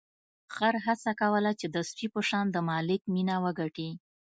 خر هڅه وکړه چې د سپي په شان د مالک مینه وګټي.